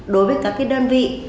đối với các cái đơn vị